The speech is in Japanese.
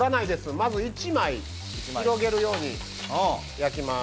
まず１枚広げるように焼きます。